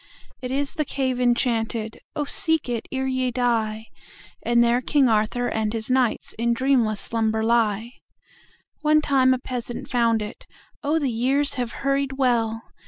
It is the cave enchanted(Oh, seek it ere ye die!)And there King Arthur and his knightsIn dreamless slumber lie. One time a peasant found it(Oh, the years have hurried well!)